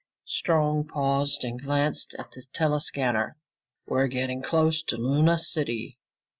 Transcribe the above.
Strong paused and glanced at the tele scanner. "We're getting close to Luna City.